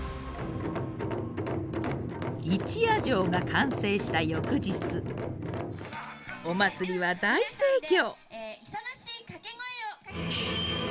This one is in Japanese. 一夜城が完成した翌日お祭りは大盛況。